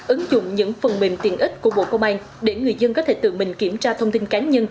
ứng dụng những phần mềm tiện ích của bộ công an để người dân có thể tự mình kiểm tra thông tin cá nhân